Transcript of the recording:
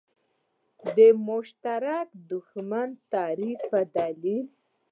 د مشترک دښمن د تعریف په دلیل.